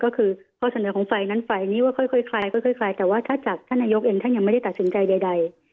ก็คือข้อเสนอของฝ่ายนั้นฝ่ายนี้ว่าค่อยคลายแต่ว่าถ้าจากท่านนายกเองท่านยังไม่ได้ตัดสินใจใด